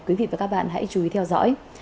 quý vị và các bạn hãy chú ý theo dõi